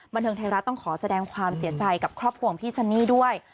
บันเทิงไทยรัฐต้องขอแสดงความเสียใจกับครอบครัวของพี่ซันนี่ด้วย